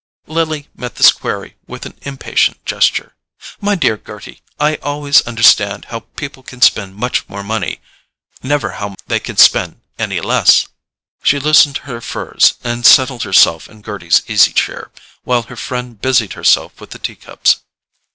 Lily met this query with an impatient gesture. "My dear Gerty, I always understand how people can spend much more money—never how they can spend any less!" She loosened her furs and settled herself in Gerty's easy chair, while her friend busied herself with the tea cups.